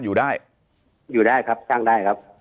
อยู่ได้ครับตั้งได้ครับ